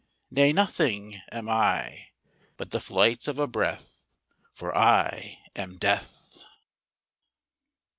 Nay; nothing am I, But the flight of a breath For I am Death!